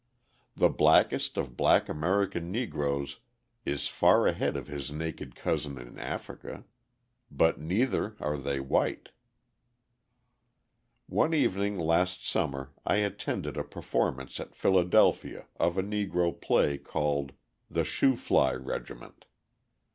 The blackest of black American Negroes is far ahead of his naked cousin in Africa. But neither are they white! One evening last summer I attended a performance at Philadelphia of a Negro play called the "Shoo Fly Regiment."